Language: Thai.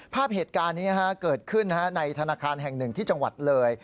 ภาพเหตุการณ์นี้เกิดขึ้นในธนาคารแห่งหนึ่งที่จังหวัดเลย